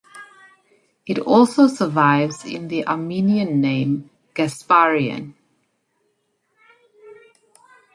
It also survives in the Armenian name, Gasparian.